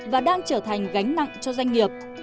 và đang trở thành gánh nặng cho doanh nghiệp